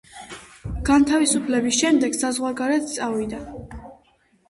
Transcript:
განთავისუფლების შემდეგ საზღვარგარეთ წავიდა.